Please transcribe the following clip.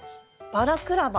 バラクラバ。